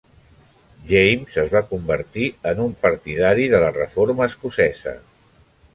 James es va convertir en un partidari de la reforma escocesa.